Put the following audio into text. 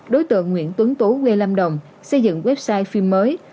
đối tượng nguyễn tuấn tú quê lâm đồng xây dựng website phim mới